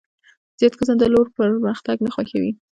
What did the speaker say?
زیات کسان د لور پرمختګ نه خوښوي.